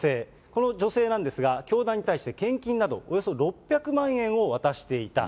この女性なんですが、教団に対して献金などおよそ６００万円を渡していた。